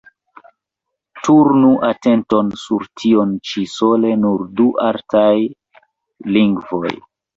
Turnu atenton sur tion ĉi: sole nur du artaj lingvoj.